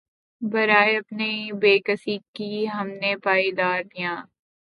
بارے‘ اپنی بیکسی کی ہم نے پائی داد‘ یاں